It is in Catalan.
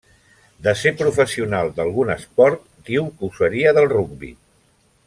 De ser professional d'algun esport, diu que ho seria del rugbi.